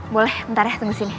boleh ntar ya tunggu sini